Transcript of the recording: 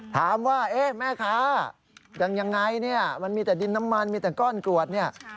ถามว่าเอ๊ะแม่ค้ายังไงเนี่ยมันมีแต่ดินน้ำมันมีแต่ก้อนกรวดเนี่ย